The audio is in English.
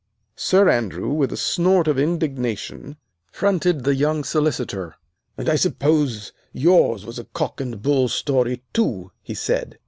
Sir Andrew, with a snort of indignation, fronted the young Solicitor. "And I suppose yours was a cock and bull story, too," he said.